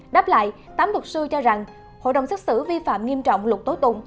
đáp lại tám luật sư cho rằng hội đồng xét xử vi phạm nghiêm trọng luật tố tụng